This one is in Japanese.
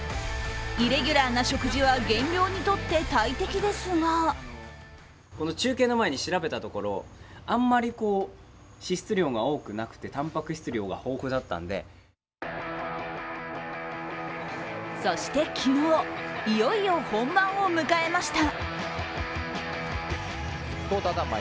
イレギュラーな食事は減量にとって大敵ですがそして昨日、いよいよ本番を迎えました。